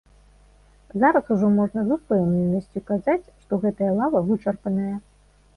Зараз ужо можна з упэўненасцю казаць, што гэтая лава вычарпаная.